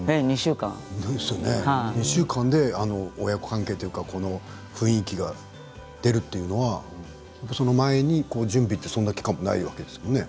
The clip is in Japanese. ２週間で親子関係というか雰囲気が出るというのはその前に準備というかそういう期間もないわけですよね。